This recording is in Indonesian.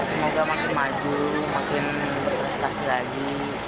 semoga makin maju makin berprestasi lagi